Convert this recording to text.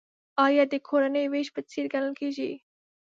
عاید د کورنۍ وېش په څېر ګڼل کیږي.